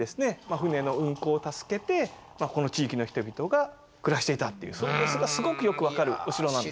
船の運航を助けてこの地域の人々が暮らしていたっていうその様子がすごくよく分かるお城なんです。